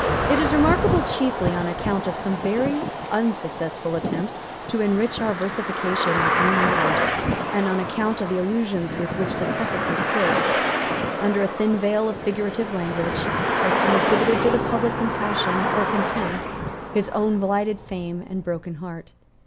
It is remarkable chiefly on account of some very unsuccessful attempts to enrich our versification with new metres, and on account of the allusions with which the preface is filled. Under a thin veil of figurative language, Preston exhibited to the public compassion or contempt his own blighted fame and broken heart.